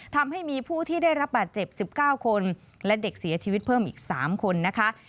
ทำให้มีผู้ที่ได้รับบาดเจ็บ๑๙คนและเด็กเสียชีวิตเพิ่มอีก๓คนนะคะ